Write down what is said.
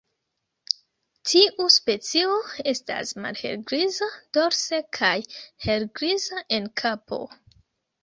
Tiu specio estas malhelgriza dorse kaj helgriza en kapo.